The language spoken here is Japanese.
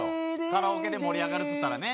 カラオケで盛り上がるっていったらね